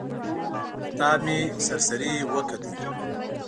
کتاب مې سر سري وکوت.